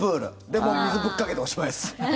で、水ぶっかけておしまいです。